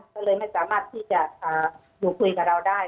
ก็เลยไม่สามารถที่จะอยู่คุยกับเราได้